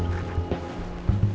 terima kasih tante